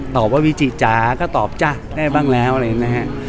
ตอบว่าวิจิจาก็ตอบจ๊ะได้บ้างแล้วอะไรอย่างนี้นะฮะ